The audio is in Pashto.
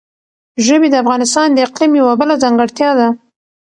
ژبې د افغانستان د اقلیم یوه بله ځانګړتیا ده.